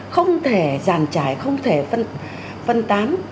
không thể giàn trải không thể phân tán